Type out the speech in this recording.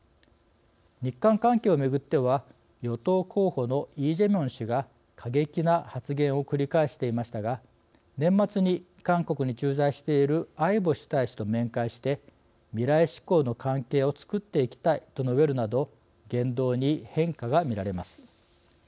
日韓関係をめぐっては与党候補のイ・ジェミョン氏が過激な発言を繰り返していましたが年末に韓国に駐在している相星大使と面会して「未来志向の関係を作っていきたい」と述べるなど言動に変化が見られます。